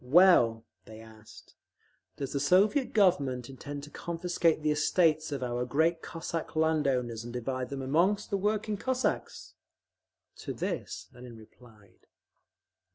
"Well," they asked, "does the Soviet Government intend to confiscate the estates of our great Cossack land owners and divide them among the working Cossacks?" To this Lenin replied.